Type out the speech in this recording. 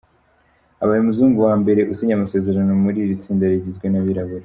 Abaye umuzungu wa mbere usinye amasezerano muri iri tsinda rigizwe n’Abirabura.